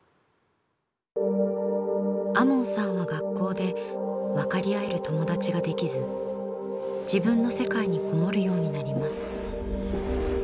亞門さんは学校で分かり合える友達ができず自分の世界にこもるようになります。